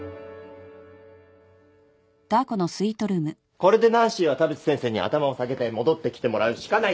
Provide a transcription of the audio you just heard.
これでナンシーは田淵先生に頭を下げて戻ってきてもらうしかない。